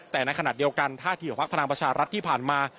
แต่ในขณะเดียวกันท่าทีของพักพลังประชารัฐที่ผ่านมา